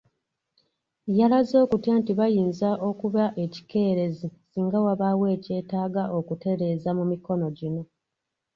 Yalaze okutya nti bayinza okuba ekikeerezi singa wabaawo ekyetaaga okutereeza mu mikono gino.